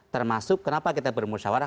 termasuk kenapa kita bermusyawarah